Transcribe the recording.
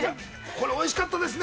これ美味しかったですね。